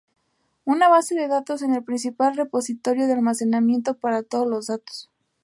Una base de datos en el principal repositorio de almacenamiento para todos los datos.